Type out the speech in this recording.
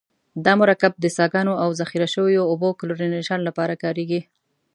دا مرکب د څاګانو او ذخیره شویو اوبو کلورینیشن لپاره کاریږي.